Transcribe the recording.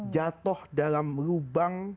jatuh dalam lubang